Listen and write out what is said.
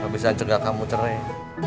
bisa cegah kamu cerai